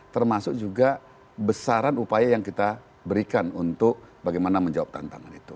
termasuk juga besaran upaya yang kita berikan untuk bagaimana menjawab tantangan itu